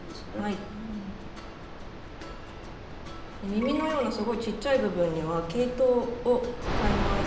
耳のようなすごいちっちゃい部分には毛糸を使います。